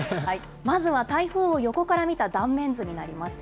まずは台風を横から見た断面図になります。